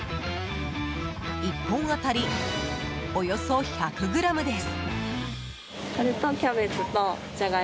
１本当たり、およそ１００ｇです。